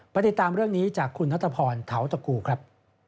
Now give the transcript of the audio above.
ปฏิตามเรื่องนี้จากคุณนัตตาพรถาวตะกูครับ